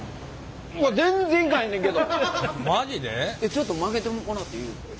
ちょっと曲げてもらっていいですか？